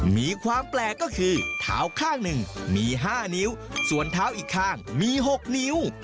มีความแปลกก็คือเท้าข้างหนึ่งมี๕นิ้วส่วนเท้าอีกข้างมี๖นิ้ว